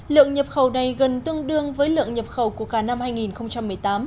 lượng nhập khẩu này gần tương đương với lượng nhập khẩu của cả năm hai nghìn một mươi tám